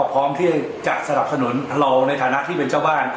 พร้อมที่จะสนับสนุนเราในฐานะที่เป็นเจ้าบ้าน